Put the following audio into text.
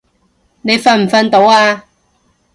你瞓唔瞓到啊？